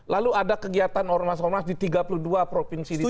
lalu ada kegiatan orang masyarakat di tiga puluh dua provinsi di bawah